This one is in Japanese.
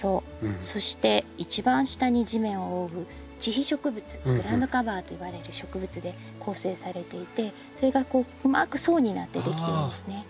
そして一番下に地面を覆う地被植物グラウンドカバーと呼ばれる植物で構成されていてそれがうまく層になって出来ているんですね。